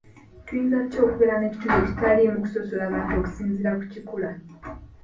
Tuyinza tutya okubeera n'ekitundu ekitaliimu kusosola bantu okusinziira ku kikula?